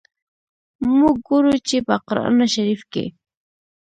موږ ګورو چي، په قرآن شریف کي.